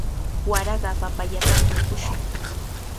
Waraqa papayatami mikushun.